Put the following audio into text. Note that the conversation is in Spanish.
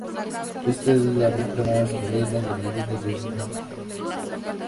Ésta es la ruta más moderna de las líneas de Fráncfort.